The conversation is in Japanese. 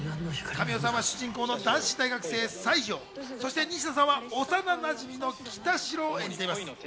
神尾さんは主人公の男子大学生・西条、西野さんは幼なじみの北代を演じています。